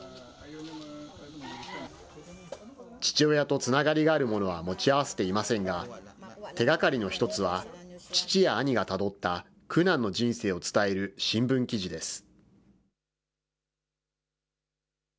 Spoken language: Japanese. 父親とつながりがあるものは持ち合わせていませんが、手がかりの一つは、父や兄がたどった苦難の人生を伝える新聞記事です。